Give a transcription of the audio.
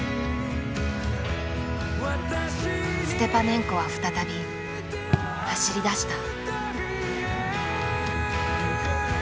ステパネンコは再び走りだした。